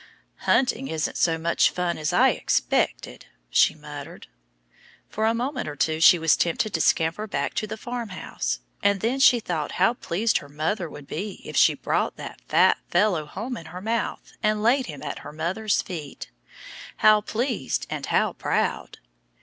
"Hunting isn't so much fun as I expected," she muttered. For a moment or two she was tempted to scamper back to the farmhouse. And then she thought how pleased her mother would be if she brought that fat fellow home in her mouth and laid him at her mother's feet how pleased and how proud!